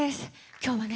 今日はね